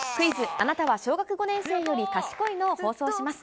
あなたは小学５年生より賢いの？を放送します。